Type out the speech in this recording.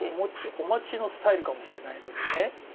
お待ちのスタイルかもしれないのにね。